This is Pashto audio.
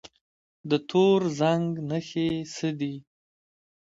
د تور زنګ نښې څه دي؟